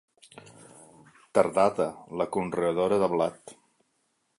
Tardada, la conreadora de blat.